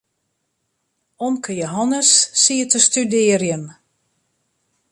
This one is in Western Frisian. Omke Jehannes siet te studearjen.